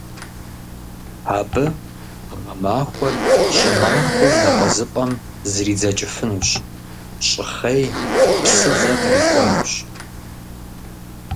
Абы гъэмахуэр щӀымахуэу напӀэзыпӀэм зридзэкӀыфынущ, щӀыхъей, псыдзэ кърикӀуэнущ.